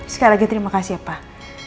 sekali lagi terima kasih ya pak